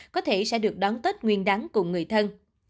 có thể sẽ được đón tết nguyên đắng cùng người thân